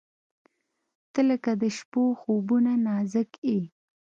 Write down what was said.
• ته لکه د شپو خوبونه نازک یې.